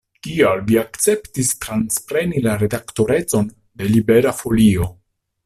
Kial vi akceptis transpreni la redaktorecon de Libera Folio?